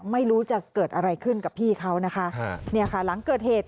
ไม่รู้จะเกิดอะไรขึ้นกับพี่เขานะคะเนี่ยค่ะหลังเกิดเหตุ